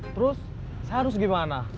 terus saya harus gimana